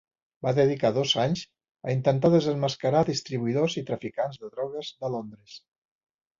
Va dedicar dos anys a intentar desemmascarar distribuïdors i traficants de drogues de Londres.